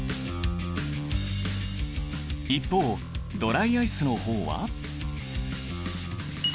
一方ドライアイスの方は。